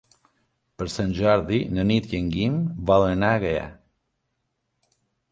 Per Sant Jordi na Nit i en Guim volen anar a Gaià.